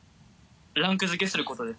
ランクづけすることです。